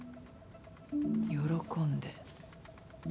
喜んで。